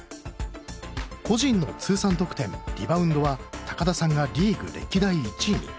個人の通算得点リバウンドは田さんがリーグ歴代１位に。